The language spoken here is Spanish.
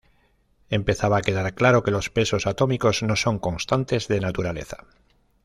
Empezaba a quedar claro que los pesos atómicos no son constantes de naturaleza.